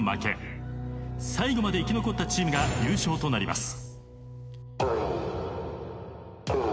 最後まで生き残ったチームが優勝となります。